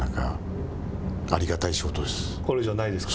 これ以上ないですか。